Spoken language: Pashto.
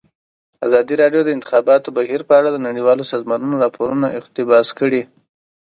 ازادي راډیو د د انتخاباتو بهیر په اړه د نړیوالو سازمانونو راپورونه اقتباس کړي.